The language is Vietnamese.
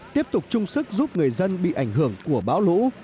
tiếp tục chung sức giúp người dân bị ảnh hưởng của bão lũ